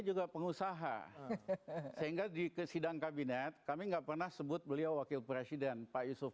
juga pengusaha sehingga di kesidang kabinet kami enggak pernah sebut beliau wakil presiden pak yusuf